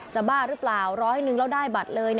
บ้าหรือเปล่าร้อยหนึ่งแล้วได้บัตรเลย